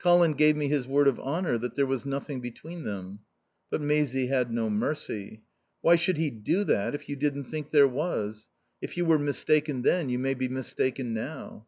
Colin gave me his word of honour that there was nothing between them." But Maisie had no mercy. "Why should he do that if you didn't think there was? If you were mistaken then you may be mistaken now."